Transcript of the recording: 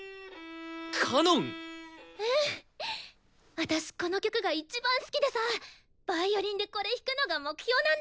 私この曲がいちばん好きでさヴァイオリンでこれ弾くのが目標なんだ！